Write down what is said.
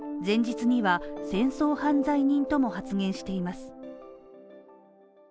前日には「戦争犯罪人」とも発言しています。